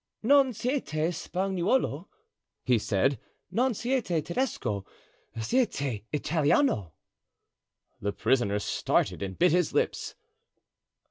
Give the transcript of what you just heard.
"Non siete Spagnuolo," he said; "non siete Tedesco; siete Italiano." The prisoner started and bit his lips.